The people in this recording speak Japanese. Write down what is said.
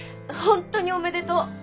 本当におめでとう！